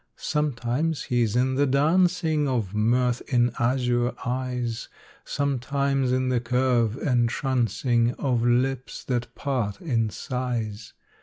Sometimes he's in the dancing Of mirth in azure eyes, Sometimes in the curve entrancing Of lips that part in sighs.